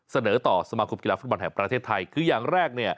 เสนอต่อสมาครบกีฬาฟุตบอลแห่งประเทศไทยคือยังแรก